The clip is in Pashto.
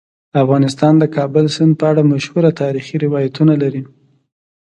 افغانستان د کابل سیند په اړه مشهور تاریخی روایتونه لري.